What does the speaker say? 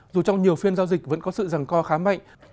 dù trong nhiều phiên giao dịch vẫn có sự rằng co khá mạnh